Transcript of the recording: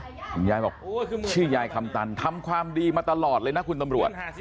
คุณยายบอกชื่อยายคำตันทำความดีมาตลอดเลยนะคุณตำรวจ